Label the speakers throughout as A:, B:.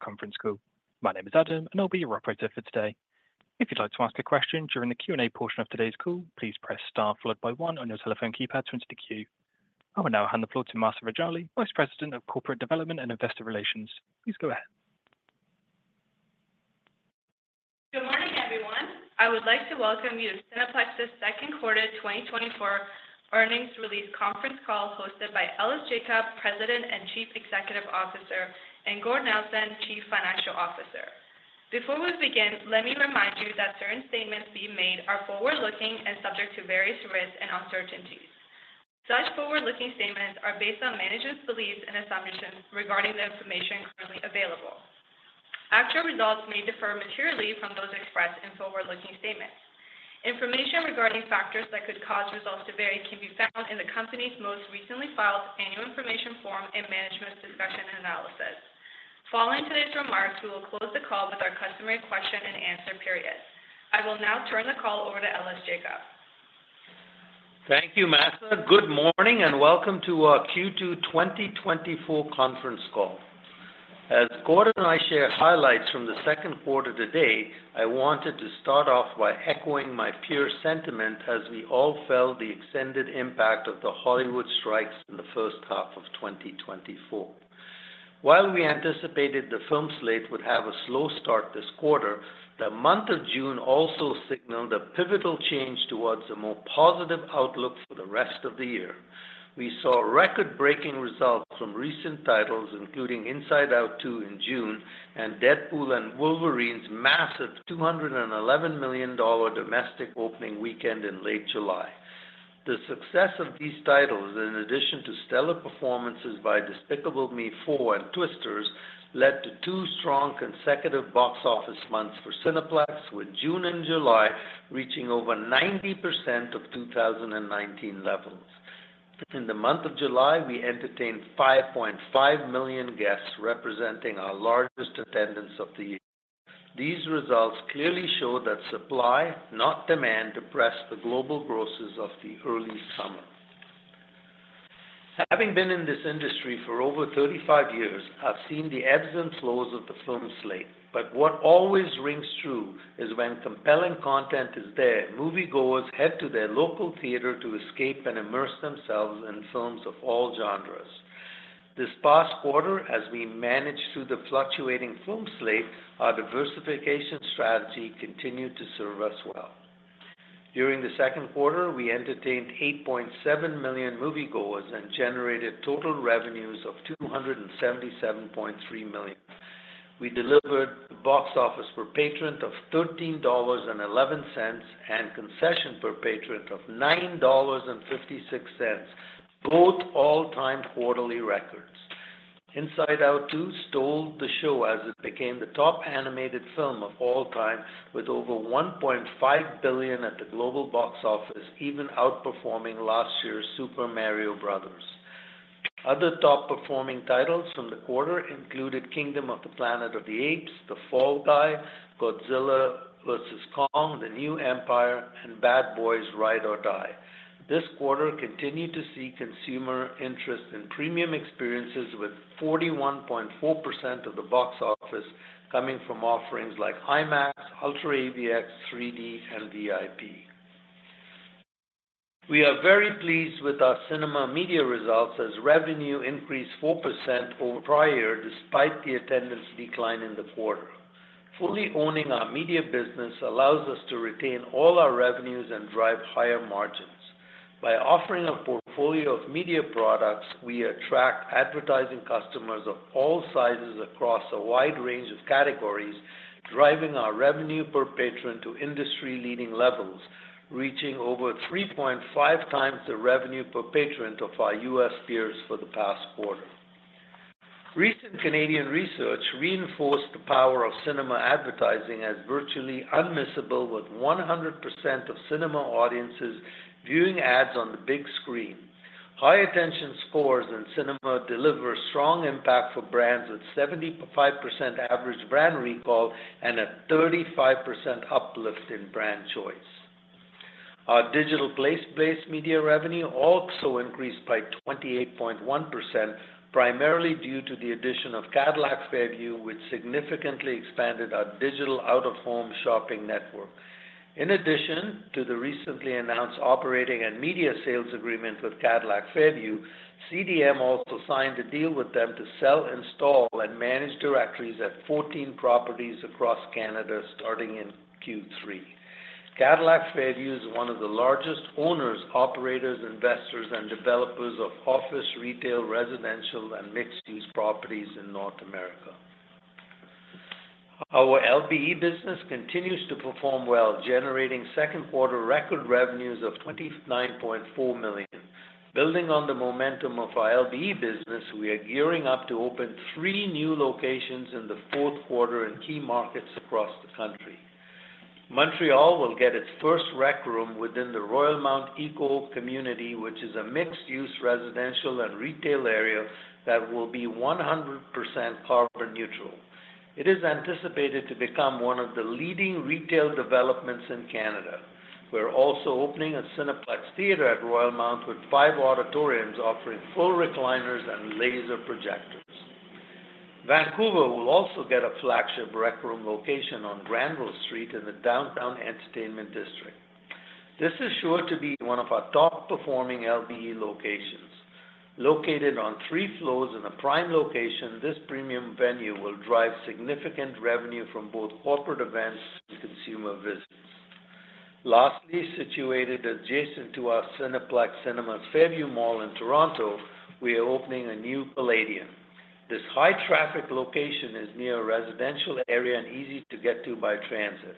A: Conference call. My name is Adam, and I'll be your operator for today. If you'd like to ask a question during the Q&A portion of today's call, please press star followed by one on your telephone keypad to enter the queue. I will now hand the floor to Mahsa Rejali, Vice President of Corporate Development and Investor Relations. Please go ahead.
B: Good morning, everyone. I would like to welcome you to Cineplex's second quarter 2024 earnings release conference call, hosted by Ellis Jacob, President and Chief Executive Officer, and Gordon Nelson, Chief Financial Officer. Before we begin, let me remind you that certain statements being made are forward-looking and subject to various risks and uncertainties. Such forward-looking statements are based on management's beliefs and assumptions regarding the information currently available. Actual results may differ materially from those expressed in forward-looking statements. Information regarding factors that could cause results to vary can be found in the company's most recently filed Annual Information Form and Management's Discussion and Analysis. Following today's remarks, we will close the call with our customary question and answer period. I will now turn the call over to Ellis Jacob.
C: Thank you, Mahsa. Good morning, and welcome to our Q2 2024 conference call. As Gordon and I share highlights from the second quarter today, I wanted to start off by echoing my peer sentiment as we all felt the extended impact of the Hollywood strikes in the first half of 2024. While we anticipated the film slate would have a slow start this quarter, the month of June also signaled a pivotal change towards a more positive outlook for the rest of the year. We saw record-breaking results from recent titles, including Inside Out 2 in June and Deadpool & Wolverine's massive $211 million domestic opening weekend in late July. The success of these titles, in addition to stellar performances by Despicable Me 4 and Twisters, led to two strong consecutive box office months for Cineplex, with June and July reaching over 90% of 2019 levels. In the month of July, we entertained 5.5 million guests, representing our largest attendance of the year. These results clearly show that supply, not demand, depressed the global grosses of the early summer. Having been in this industry for over 35 years, I've seen the ebbs and flows of the film slate. But what always rings true is when compelling content is there, moviegoers head to their local theater to escape and immerse themselves in films of all genres. This past quarter, as we managed through the fluctuating film slate, our diversification strategy continued to serve us well. During the second quarter, we entertained 8.7 million moviegoers and generated total revenues of 277.3 million. We delivered box office per patron of 13.11 dollars, and concession per patron of 9.56 dollars, both all-time quarterly records. Inside Out 2 stole the show as it became the top animated film of all time with over 1.5 billion at the global box office, even outperforming last year's Super Mario Brothers. Other top-performing titles from the quarter included Kingdom of the Planet of the Apes, The Fall Guy, Godzilla x Kong: The New Empire, and Bad Boys: Ride or Die. This quarter continued to see consumer interest in premium experiences with 41.4% of the box office coming from offerings like IMAX, UltraAVX, 3D, and VIP. We are very pleased with our cinema media results as revenue increased 4% over prior, despite the attendance decline in the quarter. Fully owning our media business allows us to retain all our revenues and drive higher margins. By offering a portfolio of media products, we attract advertising customers of all sizes across a wide range of categories, driving our revenue per patron to industry-leading levels, reaching over 3.5 times the revenue per patron of our U.S. peers for the past quarter. Recent Canadian research reinforced the power of cinema advertising as virtually unmissable, with 100% of cinema audiences viewing ads on the big screen. High attention scores in cinema deliver strong impact for brands with 75% average brand recall and a 35% uplift in brand choice. Our digital place-based media revenue also increased by 28.1%, primarily due to the addition of Cadillac Fairview, which significantly expanded our digital out-of-home shopping network. In addition to the recently announced operating and media sales agreement with Cadillac Fairview, CDM also signed a deal with them to sell, install, and manage directories at 14 properties across Canada, starting in Q3. Cadillac Fairview is one of the largest owners, operators, investors, and developers of office, retail, residential, and mixed-use properties in North America. Our LBE business continues to perform well, generating second quarter record revenues of 29.4 million. Building on the momentum of our LBE business, we are gearing up to open three new locations in the fourth quarter in key markets across the country. Montreal will get its first Rec Room within the Royalmount Eco community, which is a mixed-use residential and retail area that will be 100% carbon neutral. It is anticipated to become one of the leading retail developments in Canada. We're also opening a Cineplex theater at Royalmount with five auditoriums offering full recliners and laser projectors. Vancouver will also get a flagship Rec Room location on Granville Street in the downtown entertainment district. This is sure to be one of our top-performing LBE locations. Located on three floors in a prime location, this premium venue will drive significant revenue from both corporate events and consumer visits. Lastly, situated adjacent to our Cineplex Cinema Fairview Mall in Toronto, we are opening a new Playdium. This high-traffic location is near a residential area and easy to get to by transit.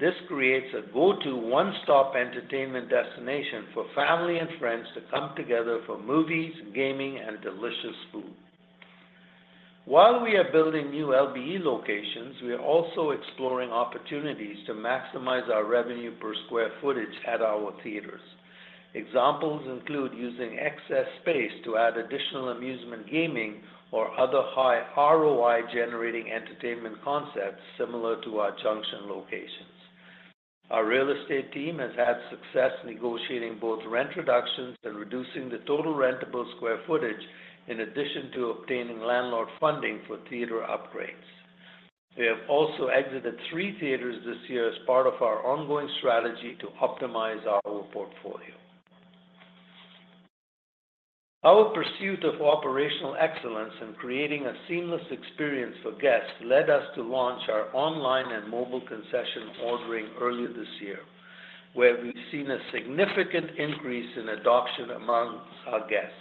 C: This creates a go-to, one-stop entertainment destination for family and friends to come together for movies, gaming, and delicious food. While we are building new LBE locations, we are also exploring opportunities to maximize our revenue per square footage at our theaters. Examples include using excess space to add additional amusement, gaming, or other high ROI-generating entertainment concepts similar to our Junxion locations. Our real estate team has had success negotiating both rent reductions and reducing the total rentable square footage, in addition to obtaining landlord funding for theater upgrades. We have also exited three theaters this year as part of our ongoing strategy to optimize our portfolio. Our pursuit of operational excellence and creating a seamless experience for guests led us to launch our online and mobile concession ordering earlier this year, where we've seen a significant increase in adoption among our guests.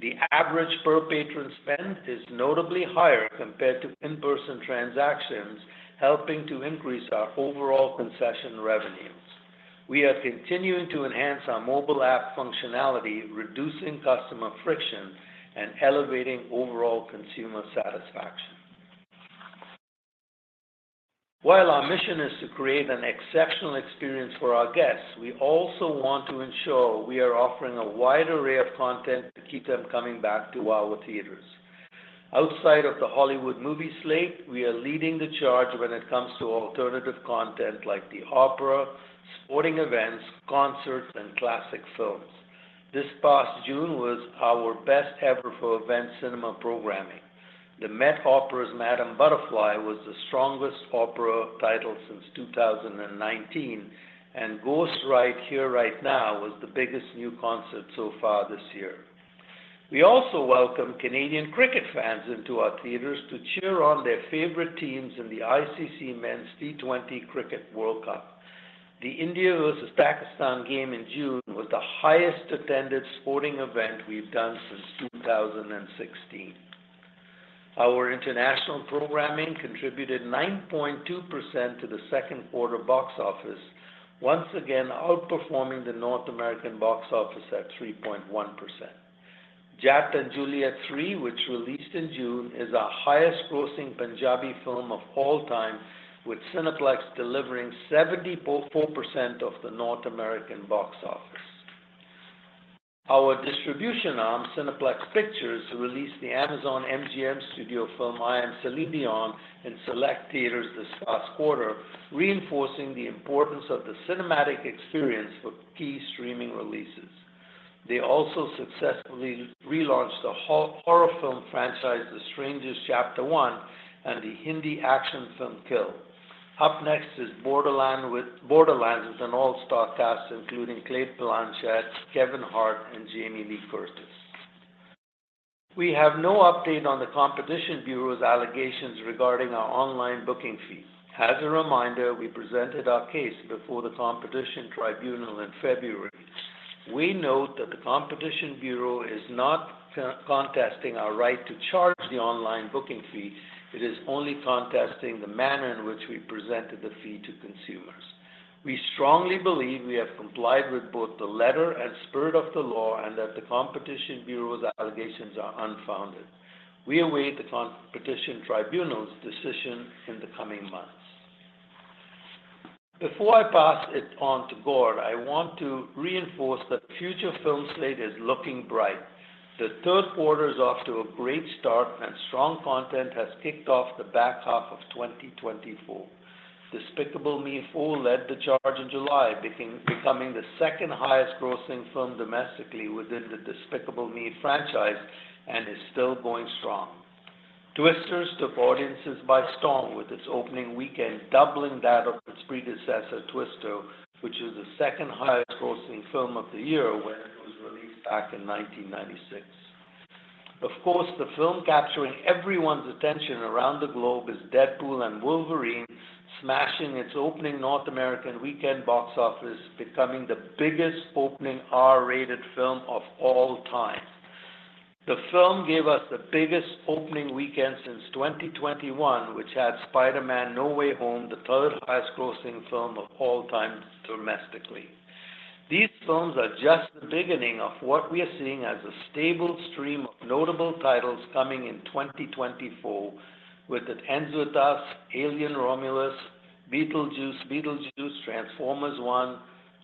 C: The average per-patron spend is notably higher compared to in-person transactions, helping to increase our overall concession revenues. We are continuing to enhance our mobile app functionality, reducing customer friction and elevating overall consumer satisfaction. While our mission is to create an exceptional experience for our guests, we also want to ensure we are offering a wide array of content to keep them coming back to our theaters. Outside of the Hollywood movie slate, we are leading the charge when it comes to alternative content like the opera, sporting events, concerts, and classic films. This past June was our best ever for event cinema programming. The Met Opera's Madama Butterfly was the strongest opera title since 2019, and Ghost: Rite Here Rite Now was the biggest new concert so far this year. We also welcomed Canadian cricket fans into our theaters to cheer on their favorite teams in the ICC Men's T20 Cricket World Cup. The India versus Pakistan game in June was the highest attended sporting event we've done since 2016. Our international programming contributed 9.2% to the second quarter box office, once again outperforming the North American box office at 3.1%. Jatt & Juliet 3, which released in June, is our highest-grossing Punjabi film of all time, with Cineplex delivering 74% of the North American box office. Our distribution arm, Cineplex Pictures, released the Amazon MGM Studios film, I Am: Celine Dion, in select theaters this past quarter, reinforcing the importance of the cinematic experience for key streaming releases. They also successfully relaunched the horror film franchise, The Strangers: Chapter 1, and the Hindi action film, Kill. Up next is Borderlands, with an all-star cast, including Cate Blanchett, Kevin Hart, and Jamie Lee Curtis. We have no update on the Competition Bureau's allegations regarding our online booking fees. As a reminder, we presented our case before the Competition Tribunal in February. We note that the Competition Bureau is not contesting our right to charge the online booking fee. It is only contesting the manner in which we presented the fee to consumers. We strongly believe we have complied with both the letter and spirit of the law, and that the Competition Bureau's allegations are unfounded. We await the Competition Tribunal's decision in the coming months. Before I pass it on to Gord, I want to reinforce that the future film slate is looking bright. The third quarter is off to a great start, and strong content has kicked off the back half of 2024. Despicable Me 4 led the charge in July, becoming the second highest-grossing film domestically within the Despicable Me franchise and is still going strong. Twisters took audiences by storm, with its opening weekend doubling that of its predecessor, Twister, which was the second highest-grossing film of the year when it was released back in 1996. Of course, the film capturing everyone's attention around the globe is Deadpool & Wolverine, smashing its opening North American weekend box office, becoming the biggest opening R-rated film of all time. The film gave us the biggest opening weekend since 2021, which had Spider-Man: No Way Home, the third highest-grossing film of all time domestically. These films are just the beginning of what we are seeing as a stable stream of notable titles coming in 2024 with [Dungeons], Alien: Romulus, Beetlejuice Beetlejuice, Transformers One,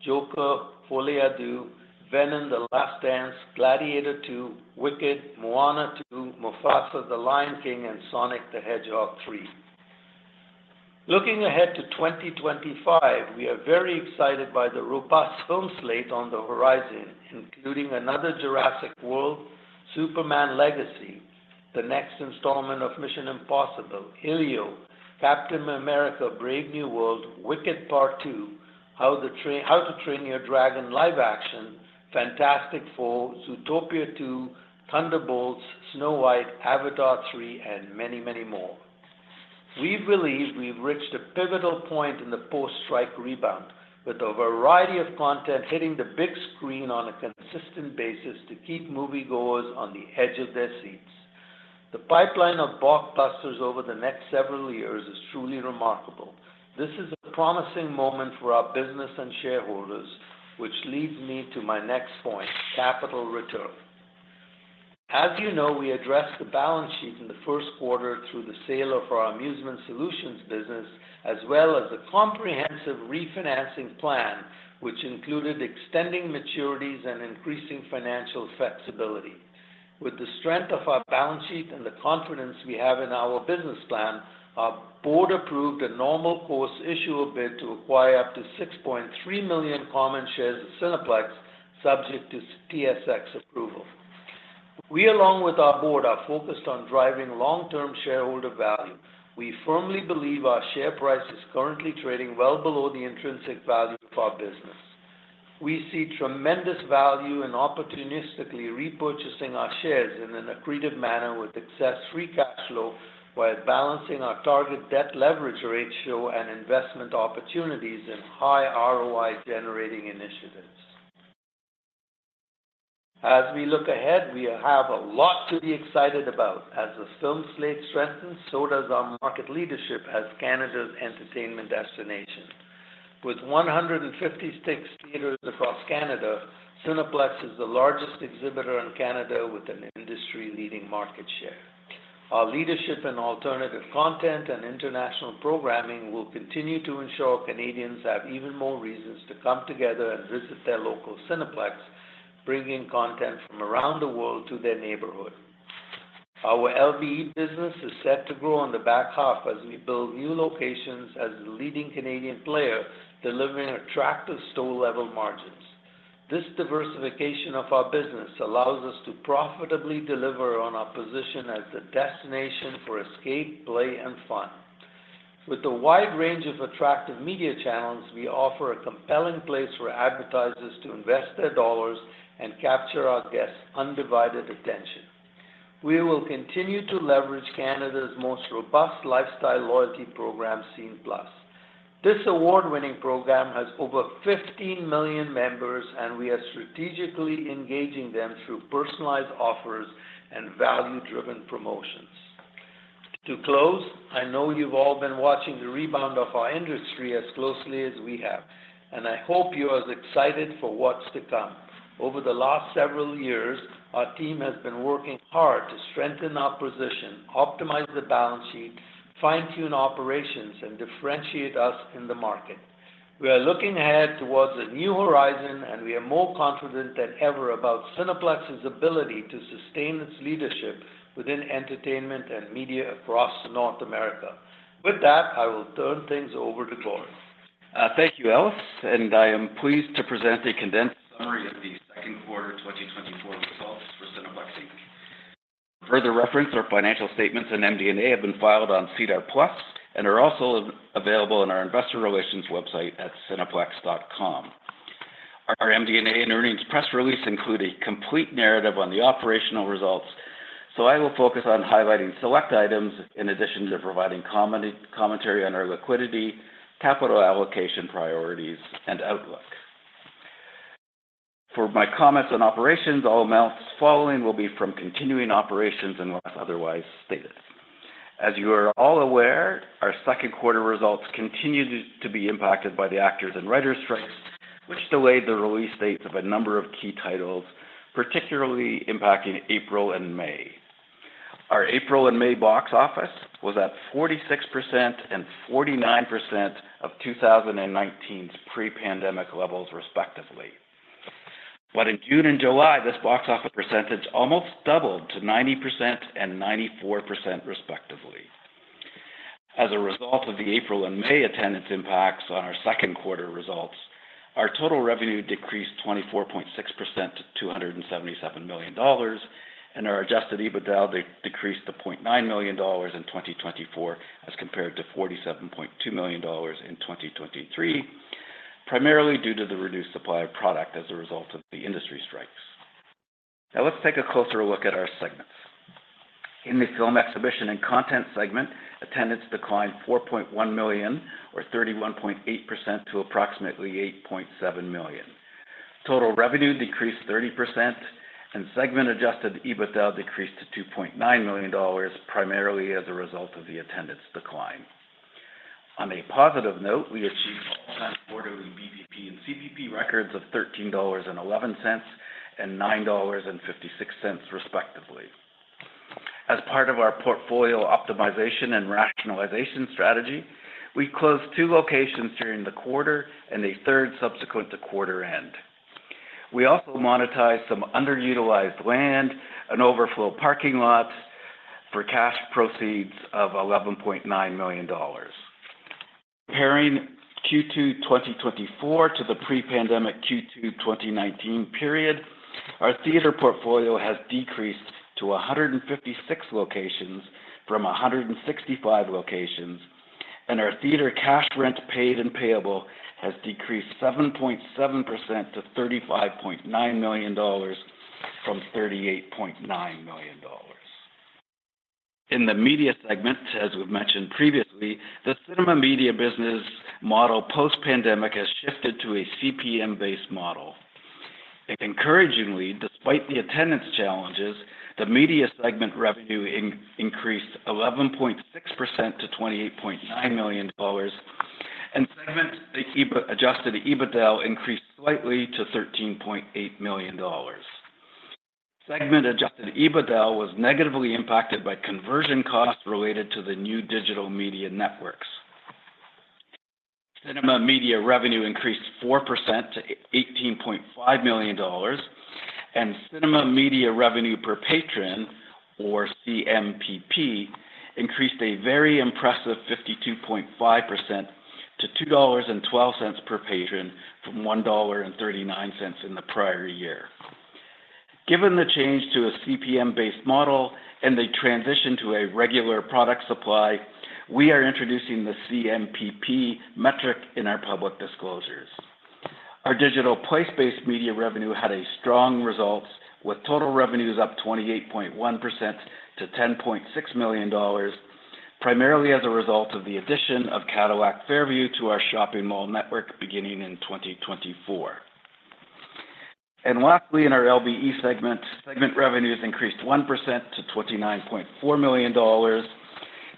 C: Joker: Folie à Deux, Venom: The Last Dance, Gladiator II, Wicked, Moana 2, Mufasa: The Lion King, and Sonic the Hedgehog 3. Looking ahead to 2025, we are very excited by the robust film slate on the horizon, including another Jurassic World, Superman Legacy, the next installment of Mission Impossible, Elio, Captain America: Brave New World, Wicked Part Two, How to Train Your Dragon live action, Fantastic Four, Zootopia 2, Thunderbolts, Snow White, Avatar 3, and many, many more. We believe we've reached a pivotal point in the post-strike rebound, with a variety of content hitting the big screen on a consistent basis to keep moviegoers on the edge of their seats. The pipeline of blockbusters over the next several years is truly remarkable. This is a promising moment for our business and shareholders, which leads me to my next point, capital return. As you know, we addressed the balance sheet in the first quarter through the sale of our Amusement Solutions business, as well as a comprehensive refinancing plan, which included extending maturities and increasing financial flexibility. With the strength of our balance sheet and the confidence we have in our business plan, our Board approved a normal course issuer bid to acquire up to 6.3 million common shares of Cineplex, subject to TSX approval. We, along with our Board, are focused on driving long-term shareholder value. We firmly believe our share price is currently trading well below the intrinsic value of our business. We see tremendous value in opportunistically repurchasing our shares in an accretive manner with excess free cash flow, while balancing our target debt leverage ratio and investment opportunities in high ROI-generating initiatives. As we look ahead, we have a lot to be excited about. As the film slate strengthens, so does our market leadership as Canada's entertainment destination. With 156 theaters across Canada, Cineplex is the largest exhibitor in Canada, with an industry-leading market share. Our leadership in alternative content and international programming will continue to ensure Canadians have even more reasons to come together and visit their local Cineplex, bringing content from around the world to their neighborhood. Our LBE business is set to grow in the back half as we build new locations as the leading Canadian player, delivering attractive store-level margins. This diversification of our business allows us to profitably deliver on our position as the destination for escape, play, and fun. With a wide range of attractive media channels, we offer a compelling place for advertisers to invest their dollars and capture our guests' undivided attention. We will continue to leverage Canada's most robust lifestyle loyalty program, Scene+. This award-winning program has over 15 million members, and we are strategically engaging them through personalized offers and value-driven promotions. To close, I know you've all been watching the rebound of our industry as closely as we have, and I hope you're as excited for what's to come. Over the last several years, our team has been working hard to strengthen our position, optimize the balance sheet, fine-tune operations, and differentiate us in the market. We are looking ahead towards a new horizon, and we are more confident than ever about Cineplex's ability to sustain its leadership within entertainment and media across North America. With that, I will turn things over to Gord.
D: Thank you, Ellis, and I am pleased to present a condensed summary of the second quarter 2024 results for Cineplex Inc. For further reference, our financial statements and MD&A have been filed on SEDAR+ and are also available on our investor relations website at cineplex.com. Our MD&A and earnings press release include a complete narrative on the operational results, so I will focus on highlighting select items in addition to providing commentary on our liquidity, capital allocation priorities, and outlook. For my comments on operations, all amounts following will be from continuing operations unless otherwise stated. As you are all aware, our second quarter results continued to be impacted by the actors and writers strikes, which delayed the release dates of a number of key titles, particularly impacting April and May. Our April and May box office was at 46% and 49% of 2019's pre-pandemic levels, respectively. But in June and July, this box office percentage almost doubled to 90% and 94% respectively. As a result of the April and May attendance impacts on our second quarter results, our total revenue decreased 24.6% to 277 million dollars, and our Adjusted EBITDA decreased to 0.9 million dollars in 2024, as compared to 47.2 million dollars in 2023, primarily due to the reduced supply of product as a result of the industry strikes. Now, let's take a closer look at our segments. In the film exhibition and content segment, attendance declined 4.1 million, or 31.8%, to approximately 8.7 million. Total revenue decreased 30%, and segment-Adjusted EBITDA decreased to 2.9 million dollars, primarily as a result of the attendance decline. On a positive note, we achieved all-time quarterly BPP and CPP records of 13.11 dollars and 9.56 dollars, respectively. As part of our portfolio optimization and rationalization strategy, we closed two locations during the quarter and a third subsequent to quarter end. We also monetized some underutilized land and overflow parking lots for cash proceeds of CAD 11.9 million. Comparing Q2 2024 to the pre-pandemic Q2 2019 period, our theater portfolio has decreased to 156 locations from 165 locations, and our theater cash rent paid and payable has decreased 7.7% to 35.9 million dollars from 38.9 million dollars. In the media segment, as we've mentioned previously, the cinema media business model, post-pandemic, has shifted to a CPM-based model. Encouragingly, despite the attendance challenges, the media segment revenue increased 11.6% to 28.9 million dollars, and segment Adjusted EBITDA increased slightly to 13.8 million dollars. Segment Adjusted EBITDA was negatively impacted by conversion costs related to the new digital media networks. Cinema media revenue increased 4% to 18.5 million dollars, and cinema media revenue per patron, or CMPP, increased a very impressive 52.5% to 2.12 dollars per patron, from 1.39 dollar in the prior year. Given the change to a CPM-based model and the transition to a regular product supply, we are introducing the CMPP metric in our public disclosures. Our digital place-based media revenue had a strong result, with total revenues up 28.1% to 10.6 million dollars, primarily as a result of the addition of Cadillac Fairview to our shopping mall network, beginning in 2024. Lastly, in our LBE segment, segment revenues increased 1% to 29.4 million dollars.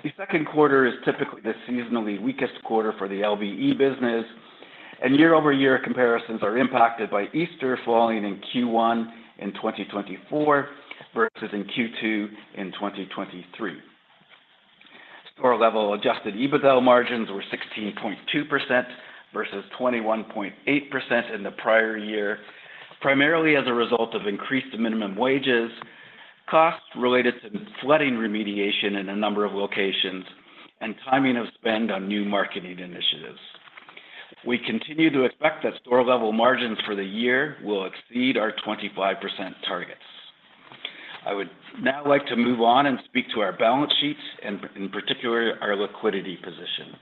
D: The second quarter is typically the seasonally weakest quarter for the LBE business, and year-over-year comparisons are impacted by Easter falling in Q1 in 2024 versus in Q2 in 2023. Store level Adjusted EBITDA margins were 16.2% versus 21.8% in the prior year, primarily as a result of increased minimum wages, costs related to flooding remediation in a number of locations, and timing of spend on new marketing initiatives. We continue to expect that store level margins for the year will exceed our 25% targets. I would now like to move on and speak to our balance sheet and in particular our liquidity position.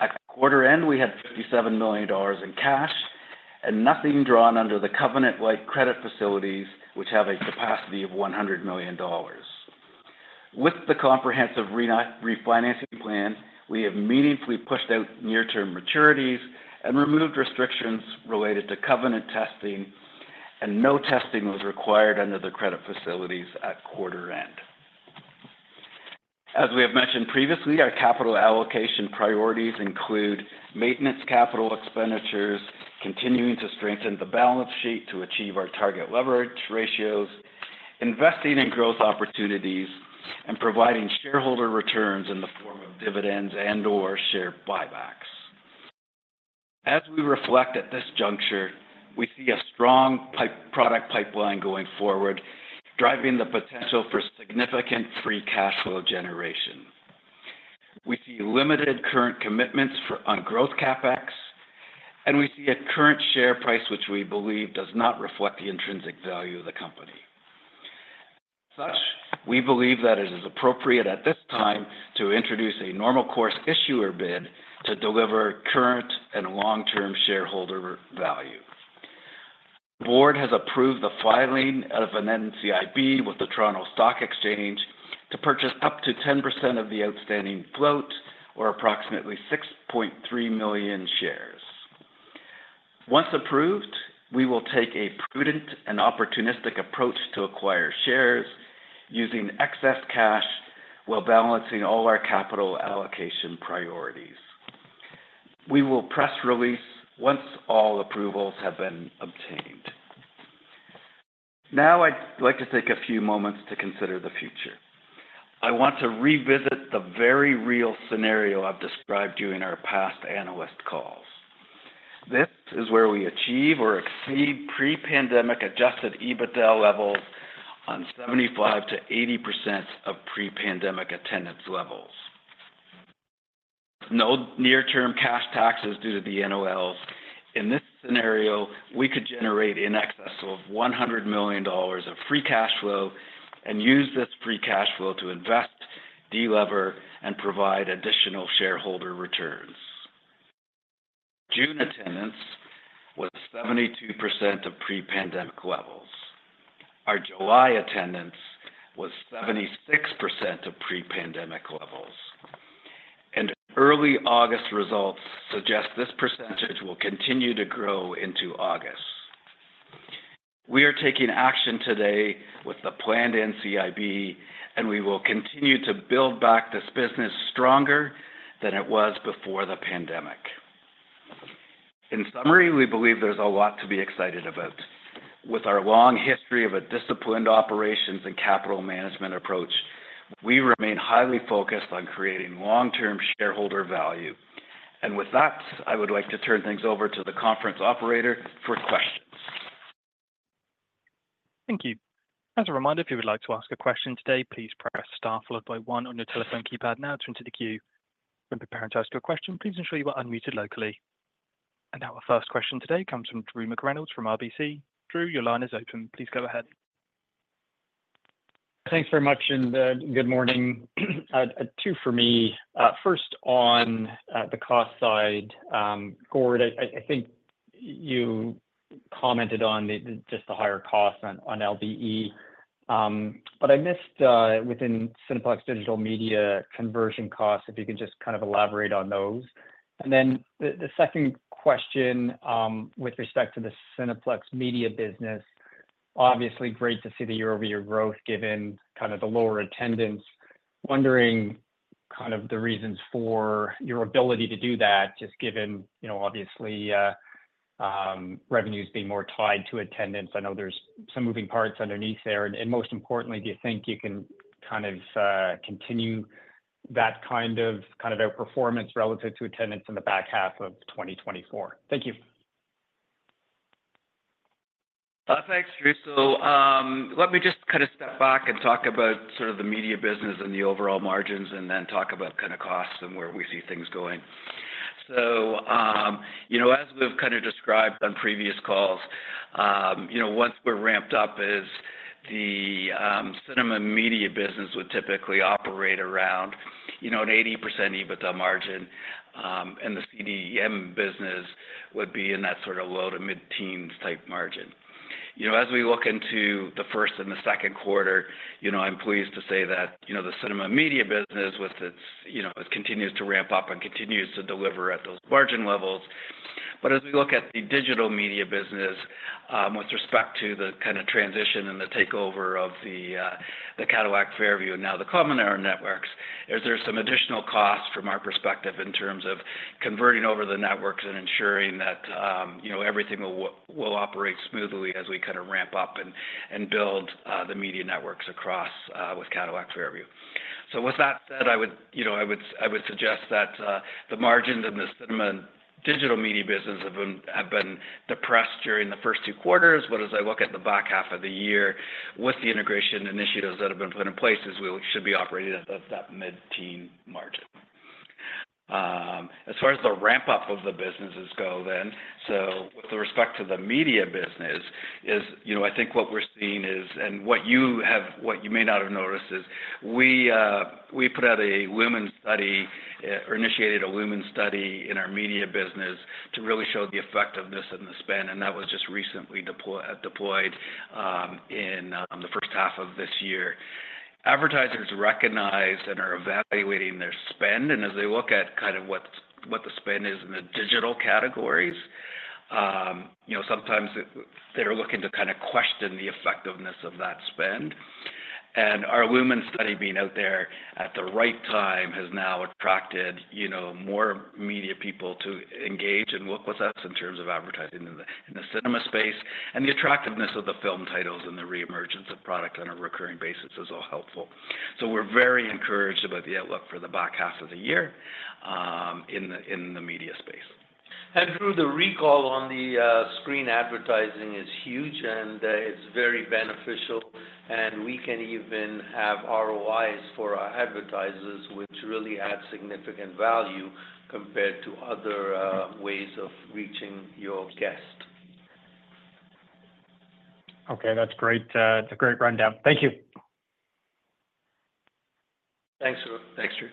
D: At quarter end, we had 57 million dollars in cash and nothing drawn under the covenant-like credit facilities, which have a capacity of 100 million dollars. With the comprehensive refinancing plan, we have meaningfully pushed out near-term maturities and removed restrictions related to covenant testing, and no testing was required under the credit facilities at quarter end. As we have mentioned previously, our capital allocation priorities include maintenance, capital expenditures, continuing to strengthen the balance sheet to achieve our target leverage ratios, investing in growth opportunities, and providing shareholder returns in the form of dividends and/or share buybacks. As we reflect at this juncture, we see a strong product pipeline going forward, driving the potential for significant free cash flow generation. We see limited current commitments for ongoing growth CapEx, and we see a current share price, which we believe does not reflect the intrinsic value of the company. As such, we believe that it is appropriate at this time to introduce a normal course issuer bid to deliver current and long-term shareholder value. The Board has approved the filing of an NCIB with the Toronto Stock Exchange to purchase up to 10% of the outstanding float or approximately 6.3 million shares. Once approved, we will take a prudent and opportunistic approach to acquire shares using excess cash, while balancing all our capital allocation priorities. We will issue a press release once all approvals have been obtained. Now, I'd like to take a few moments to consider the future. I want to revisit the very real scenario I've described to you in our past analyst calls. This is where we achieve or exceed pre-pandemic Adjusted EBITDA levels on 75%-80% of pre-pandemic attendance levels. No near-term cash taxes due to the NOLs. In this scenario, we could generate in excess of 100 million dollars of free cash flow and use this free cash flow to invest, delever, and provide additional shareholder returns. June attendance was 72% of pre-pandemic levels. Our July attendance was 76% of pre-pandemic levels, and early August results suggest this percentage will continue to grow into August. We are taking action today with the planned NCIB, and we will continue to build back this business stronger than it was before the pandemic. In summary, we believe there's a lot to be excited about. With our long history of a disciplined operations and capital management approach, we remain highly focused on creating long-term shareholder value. With that, I would like to turn things over to the conference operator for questions.
A: Thank you. As a reminder, if you would like to ask a question today, please press star followed by one on your telephone keypad now to enter the queue. When preparing to ask your question, please ensure you are unmuted locally. And now our first question today comes from Drew McReynolds from RBC. Drew, your line is open. Please go ahead.
E: Thanks very much, and good morning. Two for me. First, on the cost side, Gord, I think you commented on just the higher cost on LBE. But I missed within Cineplex Digital Media conversion costs, if you could just kind of elaborate on those. And then the second question, with respect to the Cineplex media business, obviously great to see the year-over-year growth given kind of the lower attendance. Wondering kind of the reasons for your ability to do that, just given, you know, obviously, revenues being more tied to attendance. I know there's some moving parts underneath there. And most importantly, do you think you can kind of continue that kind of outperformance relative to attendance in the back half of 2024? Thank you.
D: Thanks, Drew. So, let me just kind of step back and talk about sort of the media business and the overall margins, and then talk about kind of costs and where we see things going. So, you know, as we've kind of described on previous calls, you know, once we're ramped up is the, cinema and media business would typically operate around, you know, an 80% EBITDA margin, and the CDM business would be in that sort of low- to mid-teens type margin. You know, as we look into the first and the second quarter, you know, I'm pleased to say that, you know, the cinema and media business, with its, you know, it continues to ramp up and continues to deliver at those margin levels. But as we look at the digital media business, with respect to the kind of transition and the takeover of the Cadillac Fairview, and now the Cominar Networks, there's some additional costs from our perspective in terms of converting over the networks and ensuring that, you know, everything will operate smoothly as we kind of ramp up and build the media networks across with Cadillac Fairview. So with that said, I would, you know, I would suggest that the margins in the cinema and digital media business have been depressed during the first two quarters. But as I look at the back half of the year, with the integration initiatives that have been put in place, we should be operating at that mid-teen margin. As far as the ramp-up of the businesses go then, so with respect to the media business is, you know, I think what we're seeing is, and what you may not have noticed is, we put out a Lumen study or initiated a Lumen study in our media business to really show the effectiveness and the spend, and that was just recently deployed in the first half of this year. Advertisers recognize and are evaluating their spend, and as they look at kind of what the spend is in the digital categories, you know, sometimes they're looking to kind of question the effectiveness of that spend. Our Lumen study being out there at the right time has now attracted, you know, more media people to engage and work with us in terms of advertising in the cinema space, and the attractiveness of the film titles and the reemergence of product on a recurring basis is all helpful. So we're very encouraged about the outlook for the back half of the year in the media space.
C: Through the recall on the screen, advertising is huge, and it's very beneficial, and we can even have ROIs for our advertisers, which really add significant value compared to other ways of reaching your guests.
E: Okay, that's great. It's a great rundown. Thank you.
D: Thanks. Thanks, Drew.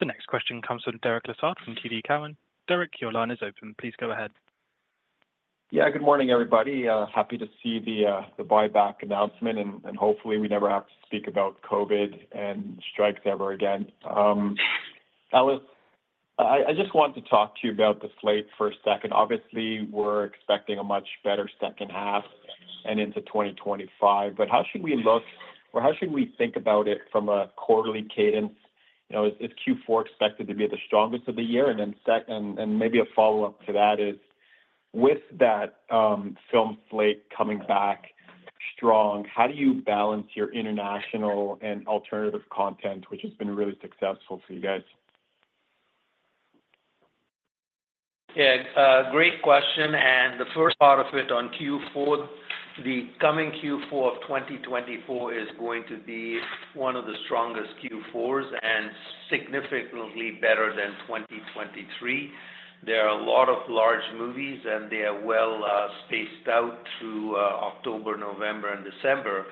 A: The next question comes from Derek Lessard from TD Cowen. Derek, your line is open. Please go ahead.
F: Yeah, good morning, everybody. Happy to see the buyback announcement, and hopefully we never have to speak about COVID and strikes ever again. Ellis, I just want to talk to you about the slate for a second. Obviously, we're expecting a much better second half and into 2025, but how should we look or how should we think about it from a quarterly cadence? You know, is Q4 expected to be the strongest of the year? And then second, and maybe a follow-up to that is, with that film slate coming back strong, how do you balance your international and alternative content, which has been really successful for you guys?
C: Yeah, great question, and the first part of it on Q4, the coming Q4 of 2024 is going to be one of the strongest Q4s and significantly better than 2023. There are a lot of large movies, and they are well, spaced out through, October, November, and December.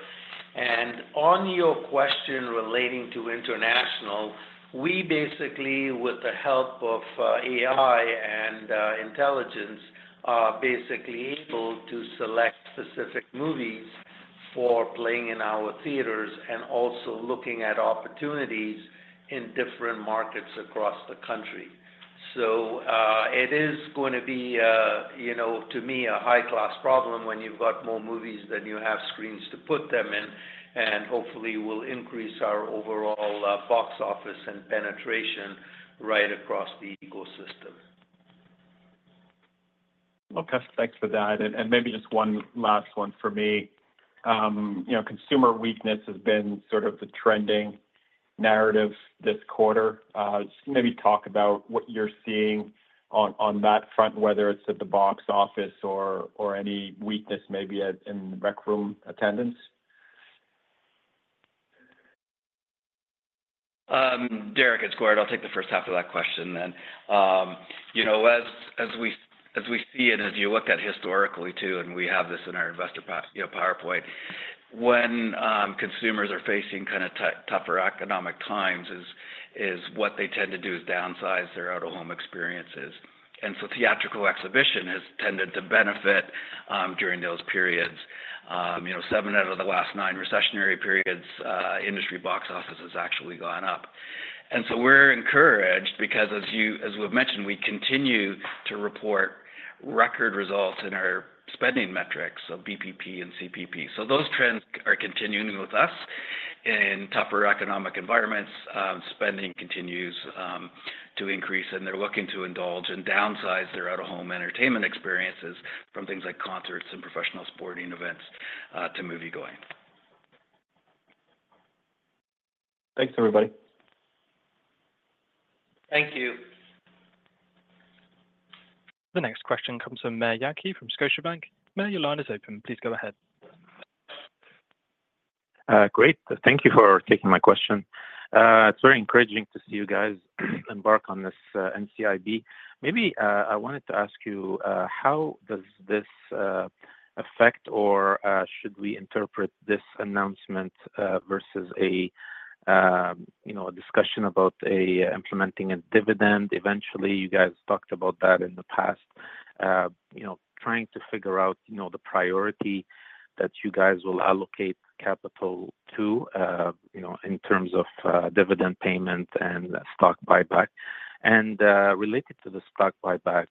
C: And on your question relating to international, we basically, with the help of, AI and, intelligence, are basically able to select specific movies for playing in our theaters and also looking at opportunities in different markets across the country. So, it is going to be, you know, to me, a high-class problem when you've got more movies than you have screens to put them in and hopefully will increase our overall, box office and penetration right across the ecosystem.
F: Well, thanks for that. And maybe just one last one for me. You know, consumer weakness has been sort of the trending narrative this quarter. Just maybe talk about what you're seeing on that front, whether it's at the box office or any weakness maybe in the Rec Room attendance.
D: Derek, it's Gord. I'll take the first half of that question then. You know, as we see it, and as you look at historically too, and we have this in our investor presentation, you know, PowerPoint. When consumers are facing kind of tougher economic times, what they tend to do is downsize their out-of-home experiences. And so theatrical exhibition has tended to benefit during those periods. You know, seven out of the last nine recessionary periods, industry box office has actually gone up. And so we're encouraged because, as we've mentioned, we continue to report record results in our spending metrics, so BPP and CPP. So those trends are continuing with us. In tougher economic environments, spending continues to increase, and they're looking to indulge and downsize their out-of-home entertainment experiences from things like concerts and professional sporting events to moviegoing.
F: Thanks, everybody.
C: Thank you.
A: The next question comes from Maher Yaghi from Scotiabank. Maher, your line is open. Please go ahead.
G: Great. Thank you for taking my question. It's very encouraging to see you guys embark on this NCIB. Maybe I wanted to ask you how does this affect or should we interpret this announcement versus, you know, a discussion about implementing a dividend? Eventually, you guys talked about that in the past. You know, trying to figure out, you know, the priority that you guys will allocate capital to, you know, in terms of dividend payment and stock buyback. And related to the stock buyback,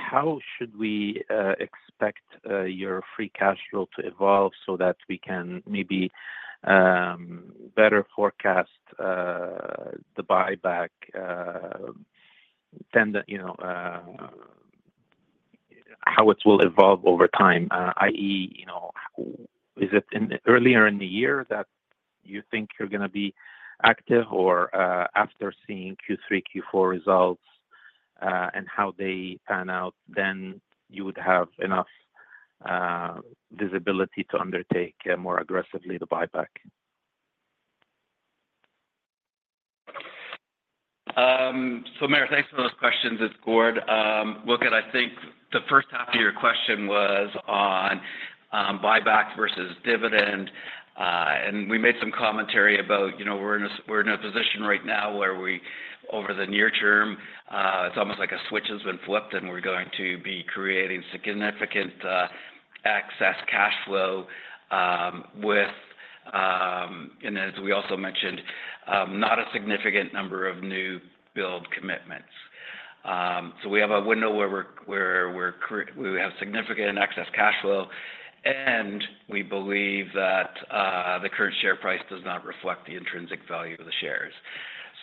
G: how should we expect your free cash flow to evolve so that we can maybe better forecast the buyback, then the, you know, how it will evolve over time? I.e., you know, is it earlier in the year that you think you're gonna be active, or after seeing Q3, Q4 results, and how they pan out, then you would have enough visibility to undertake more aggressively the buyback?
D: So Maher, thanks for those questions. It's Gord. Look, and I think the first half of your question was on buyback versus dividend. And we made some commentary about, you know, we're in a, we're in a position right now where we, over the near term, it's almost like a switch has been flipped, and we're going to be creating significant excess cash flow, with and as we also mentioned, not a significant number of new build commitments. So we have a window where we're, where we're we have significant excess cash flow, and we believe that the current share price does not reflect the intrinsic value of the shares.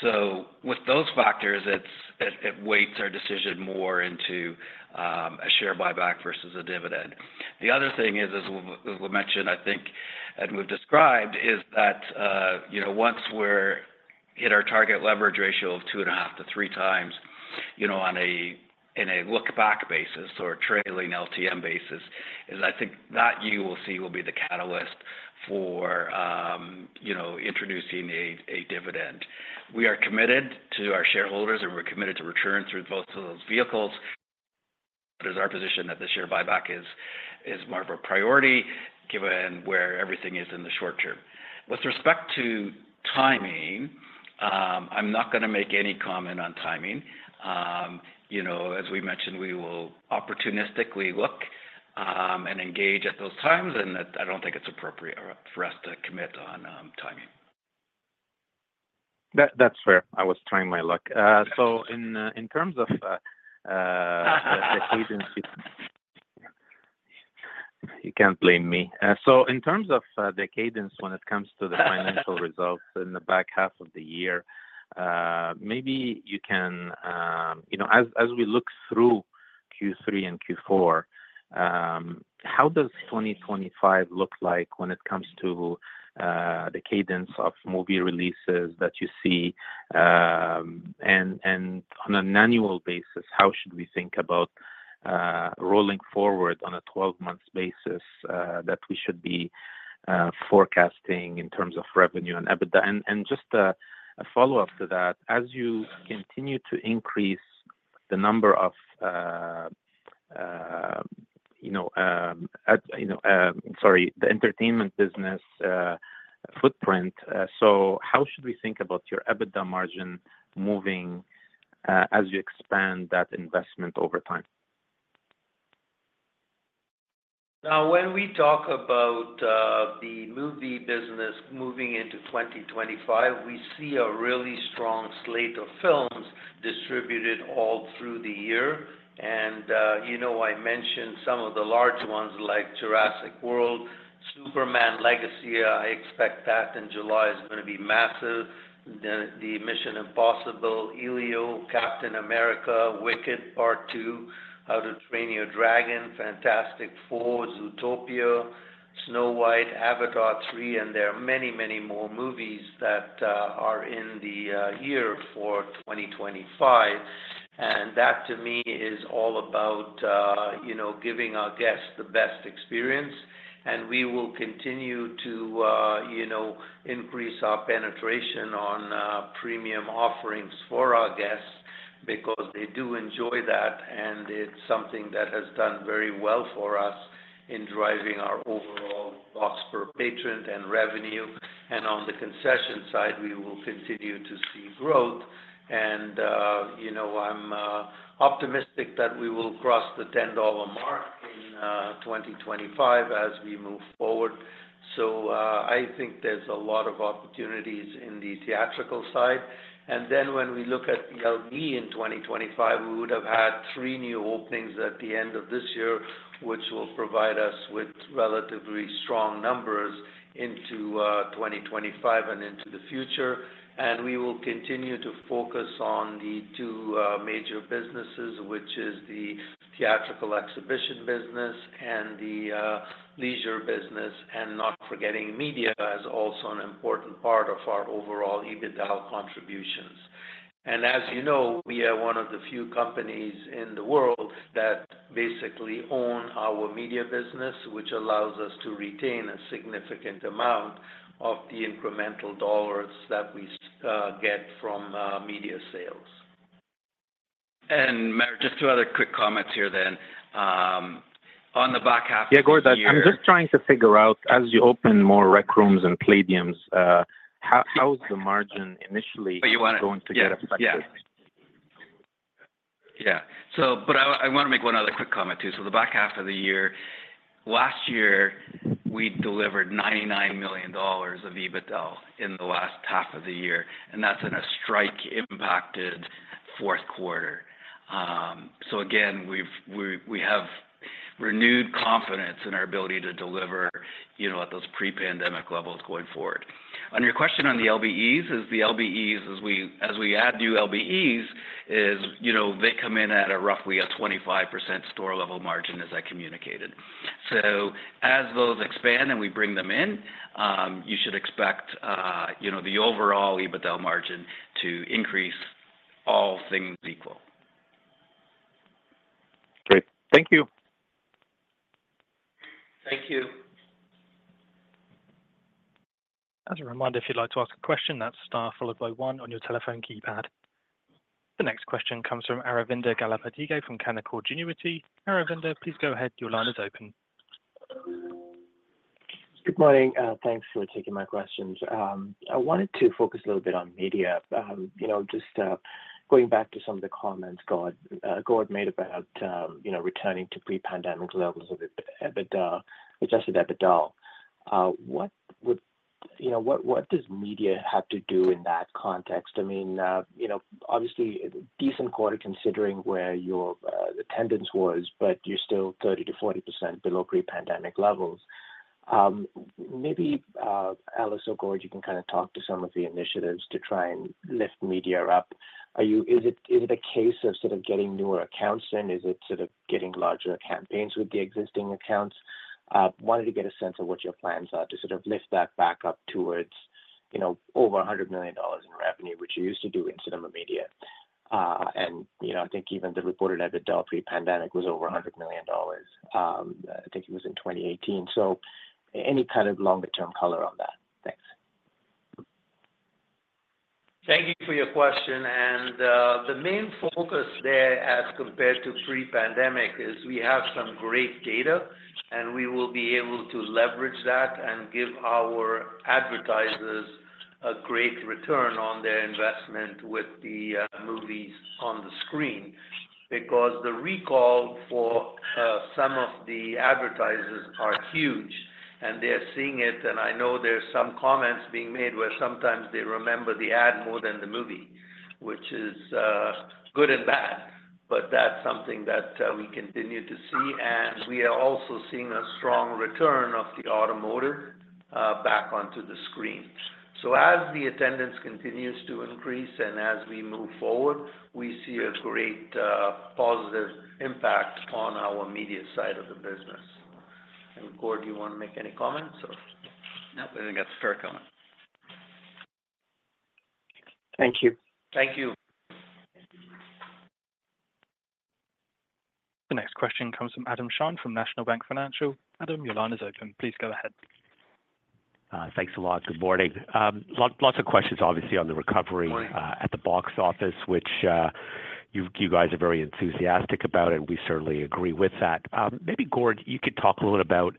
D: So with those factors, it's, it, it weights our decision more into a share buyback versus a dividend. The other thing is, as we, as we mentioned, I think, and we've described, is that, you know, once we're hit our target leverage ratio of 2.5-3 times, you know, on a look-back basis or trailing LTM basis, is I think that you will see will be the catalyst for, you know, introducing a dividend. We are committed to our shareholders, and we're committed to return through both of those vehicles. It is our position that the share buyback is more of a priority, given where everything is in the short term. With respect to timing, I'm not gonna make any comment on timing. You know, as we mentioned, we will opportunistically look and engage at those times, and I don't think it's appropriate for us to commit on timing.
G: That, that's fair. I was trying my luck. So in terms of the cadence... You can't blame me. So in terms of the cadence when it comes to the financial results—in the back half of the year, maybe you can—you know, as we look through Q3 and Q4, how does 2025 look like when it comes to the cadence of movie releases that you see? And on an annual basis, how should we think about rolling forward on a 12-month basis that we should be forecasting in terms of revenue and EBITDA? Just a follow-up to that, as you continue to increase the number of, you know, sorry, the entertainment business footprint, so how should we think about your EBITDA margin moving as you expand that investment over time?
C: When we talk about the movie business moving into 2025, we see a really strong slate of films distributed all through the year. You know, I mentioned some of the larger ones, like Jurassic World, Superman: Legacy, I expect that in July is going to be massive. The Mission: Impossible, Elio, Captain America, Wicked Part Two, How to Train Your Dragon, Fantastic Four, Zootopia, Snow White, Avatar 3, and there are many, many more movies that are in the year for 2025. And that, to me, is all about, you know, giving our guests the best experience. And we will continue to, you know, increase our penetration on premium offerings for our guests because they do enjoy that, and it's something that has done very well for us in driving our overall costs per patron and revenue. On the concession side, we will continue to see growth. You know, I'm optimistic that we will cross the 10 dollar mark in 2025 as we move forward. So, I think there's a lot of opportunities in the theatrical side. And then when we look at the LBE in 2025, we would have had three new openings at the end of this year, which will provide us with relatively strong numbers into 2025 and into the future. And we will continue to focus on the two major businesses, which is the theatrical exhibition business and the leisure business, and not forgetting media as also an important part of our overall EBITDA contributions. As you know, we are one of the few companies in the world that basically own our media business, which allows us to retain a significant amount of the incremental dollars that we get from media sales.
D: Just two other quick comments here then. On the back half of the year-
G: Yeah, Gord, I'm just trying to figure out, as you open more Rec Rooms and Playdiums, how, how is the margin initially-
D: But you wanna-
G: Going to get affected?
D: Yeah. Yeah. So but I wanna make one other quick comment, too. So the back half of the year, last year, we delivered 99 million dollars of EBITDA in the last half of the year, and that's in a strike-impacted fourth quarter. So again, we have renewed confidence in our ability to deliver, you know, at those pre-pandemic levels going forward. On your question on the LBEs, as we add new LBEs, you know, they come in at roughly a 25% store level margin, as I communicated. So as those expand and we bring them in, you should expect, you know, the overall EBITDA margin to increase, all things equal.
G: Great. Thank you.
D: Thank you.
A: As a reminder, if you'd like to ask a question, that's star followed by one on your telephone keypad. The next question comes from Aravinda Galappatthige from Canaccord Genuity. Aravinda, please go ahead. Your line is open.
H: Good morning. Thanks for taking my questions. I wanted to focus a little bit on media. You know, just going back to some of the comments Gord made about, you know, returning to pre-pandemic levels of EBITDA, Adjusted EBITDA. What would... You know, what does media have to do in that context? I mean, you know, obviously, a decent quarter, considering where your attendance was, but you're still 30%-40% below pre-pandemic levels. Maybe Ellis or Gord, you can kind of talk to some of the initiatives to try and lift media up. Are you? Is it a case of sort of getting newer accounts in? Is it sort of getting larger campaigns with the existing accounts? Wanted to get a sense of what your plans are to sort of lift that back up towards, you know, over 100 million dollars in revenue, which you used to do in Cinema Media. And, you know, I think even the reported EBITDA pre-pandemic was over 100 million dollars. I think it was in 2018. So any kind of longer-term color on that? Thanks.
C: Thank you for your question. The main focus there, as compared to pre-pandemic, is we have some great data, and we will be able to leverage that and give our advertisers a great return on their investment with the movies on the screen. Because the recall for some of the advertisers are huge, and they are seeing it. I know there's some comments being made where sometimes they remember the ad more than the movie, which is good and bad, but that's something that we continue to see. We are also seeing a strong return of the automotive back onto the screen. So as the attendance continues to increase and as we move forward, we see a great positive impact on our media side of the business. Gord, do you want to make any comments or?
D: No, I think that's a fair comment.
H: Thank you.
C: Thank you.
A: The next question comes from Adam Shine from National Bank Financial. Adam, your line is open. Please go ahead.
I: Thanks a lot. Good morning. Lots of questions, obviously, on the recovery-
C: Good morning
I: at the box office, which, you, you guys are very enthusiastic about, and we certainly agree with that. Maybe, Gord, you could talk a little about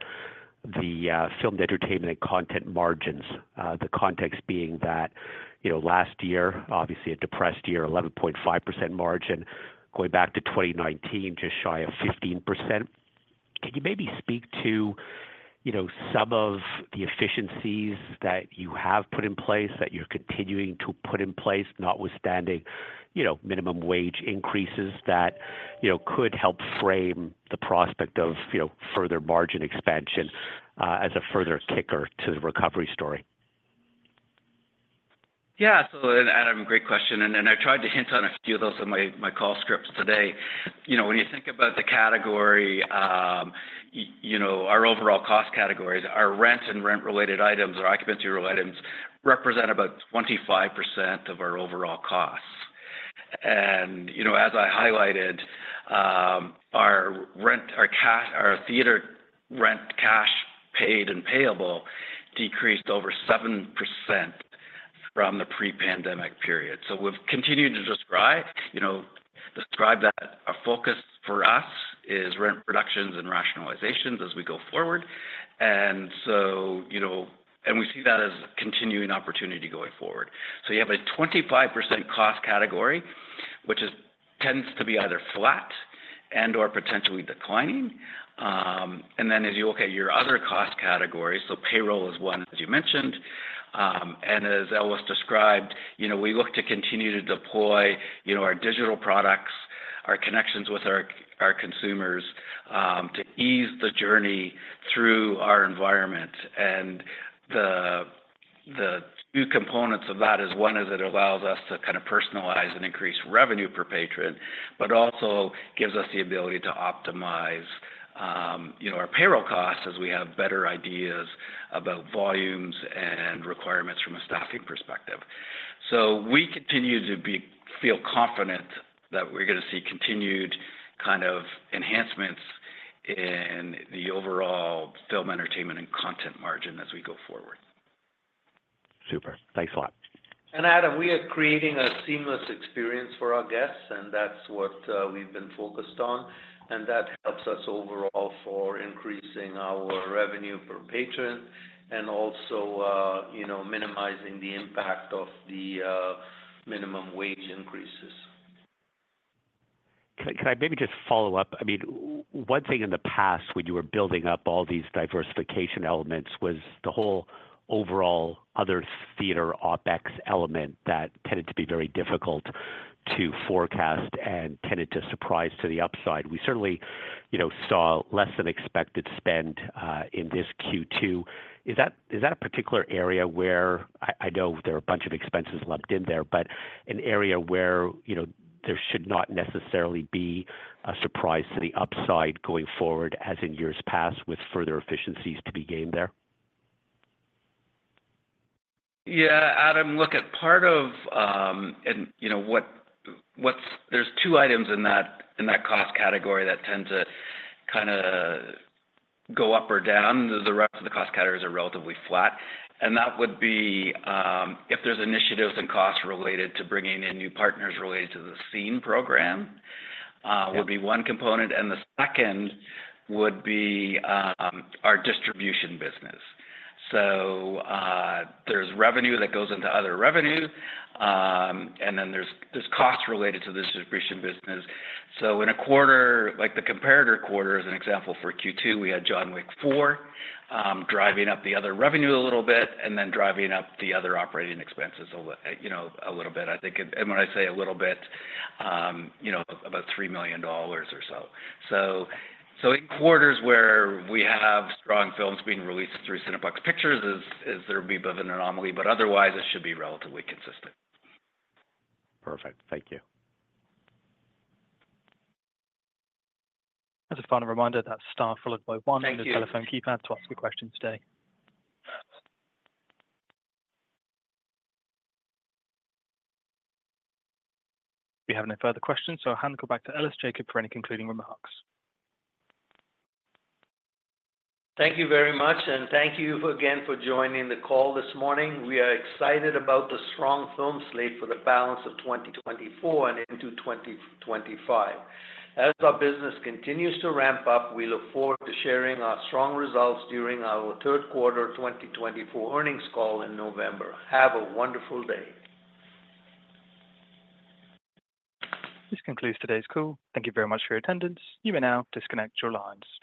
I: the, filmed entertainment and content margins. The context being that, you know, last year, obviously a depressed year, 11.5% margin, going back to 2019, just shy of 15%. Can you maybe speak to, you know, some of the efficiencies that you have put in place, that you're continuing to put in place, notwithstanding, you know, minimum wage increases that, you know, could help frame the prospect of, you know, further margin expansion, as a further kicker to the recovery story?
D: Yeah. So, and Adam, great question, and, and I tried to hint on a few of those in my, my call scripts today. You know, when you think about the category, you know, our overall cost categories, our rent and rent-related items or occupancy row items represent about 25% of our overall costs. And, you know, as I highlighted, our rent, our theater rent, cash paid and payable decreased over 7% from the pre-pandemic period. So we've continued to describe that a focus for us is rent reductions and rationalizations as we go forward. And so, you know... And we see that as a continuing opportunity going forward. So you have a 25% cost category, which tends to be either flat and/or potentially declining. and then as you look at your other cost categories, so payroll is one, as you mentioned, and as Ellis described, you know, we look to continue to deploy, you know, our digital products, our connections with our consumers, to ease the journey through our environment. And the two components of that is, one, is it allows us to kind of personalize and increase revenue per patron, but also gives us the ability to optimize, you know, our payroll costs as we have better ideas about volumes and requirements from a staffing perspective. So we continue to feel confident that we're gonna see continued kind of enhancements in the overall film, entertainment, and content margin as we go forward.
I: Super. Thanks a lot.
C: And Adam, we are creating a seamless experience for our guests, and that's what we've been focused on, and that helps us overall for increasing our revenue per patron and also, you know, minimizing the impact of the minimum wage increases.
I: Can, can I maybe just follow up? I mean, one thing in the past when you were building up all these diversification elements was the whole overall other theater OpEx element that tended to be very difficult to forecast and tended to surprise to the upside. We certainly, you know, saw less than expected spend in this Q2. Is that, is that a particular area where... I, I know there are a bunch of expenses lumped in there, but an area where, you know, there should not necessarily be a surprise to the upside going forward, as in years past, with further efficiencies to be gained there?
D: Yeah, Adam, look at part of, and, you know, what's-- there's two items in that, in that cost category that tend to kind of go up or down. The rest of the cost categories are relatively flat, and that would be, if there's initiatives and costs related to bringing in new partners related to the Scene program, would be one component, and the second would be, our distribution business. So, there's revenue that goes into other revenue, and then there's, there's costs related to the distribution business. So in a quarter, like the comparator quarter, as an example, for Q2, we had John Wick Four, driving up the other revenue a little bit and then driving up the other operating expenses a little bit, you know, I think. When I say a little bit, you know, about 3 million dollars or so. In quarters where we have strong films being released through Cineplex Pictures, there would be a bit of an anomaly, but otherwise, it should be relatively consistent.
I: Perfect. Thank you.
A: As a final reminder, that's star followed by one.
C: Thank you
A: on your telephone keypad to ask a question today. We have no further questions, so I'll hand it back to Ellis Jacob for any concluding remarks.
C: Thank you very much, and thank you again for joining the call this morning. We are excited about the strong film slate for the balance of 2024 and into 2025. As our business continues to ramp up, we look forward to sharing our strong results during our third quarter 2024 earnings call in November. Have a wonderful day.
A: This concludes today's call. Thank you very much for your attendance. You may now disconnect your lines.